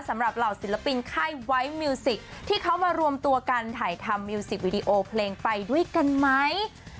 สำหรับเหล่าศิลปินแค่ไวฟ์มิวสิกที่เขามารวมตัวกันถ่ายทำวิดีโอเพลงไปด้วยกันมั้ย